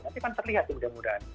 nanti kan terlihat sih mudah mudahan